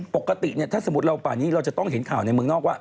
ปกติเนี่ยถ้าสมมุติเราป่านนี้เราจะต้องเห็นข่าวในเมืองนอกว่า